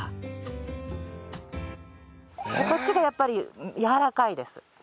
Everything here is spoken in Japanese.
こっちがやっぱりやわらかいです。